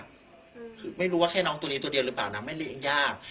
คือไม่รู้ว่าแค่น้องตัวนี้ตัวเดียวหรือเปล่านะไม่เลี้ยงยาก